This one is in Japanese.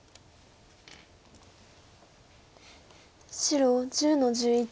白１０の十一。